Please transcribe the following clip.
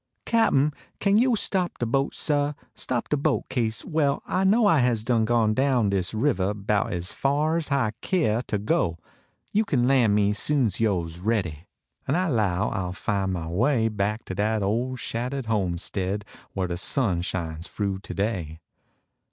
Cap n, kain yo stop de boat, sail? Stop de boat, kase well I know I has done gone down dis rivah Bout es far s hi keah ter go. You kin Ian me soon s vo s ready, En I low I ll fin mah way Back to dat ole shattah d homestead Whar de sun shines froo today.